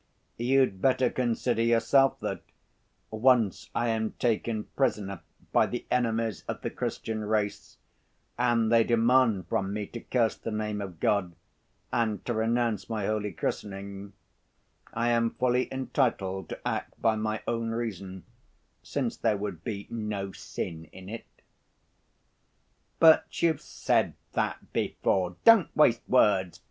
"You'd better consider yourself that, once I am taken prisoner by the enemies of the Christian race, and they demand from me to curse the name of God and to renounce my holy christening, I am fully entitled to act by my own reason, since there would be no sin in it." "But you've said that before. Don't waste words.